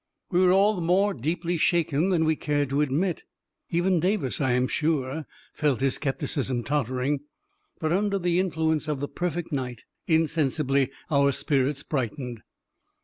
We were all more deeply shaken than we cared to admit — even Davis, I am sure, felt his skepticism tottering !— but, under the influ ence of the perfect night, insensibly our spirits brightened.